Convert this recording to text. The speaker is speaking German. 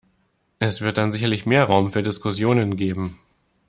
Es wird dann sicherlich mehr Raum für Diskussionen geben.